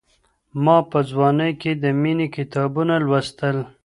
ما په ځوانۍ کي د مينې کتابونه لوستل.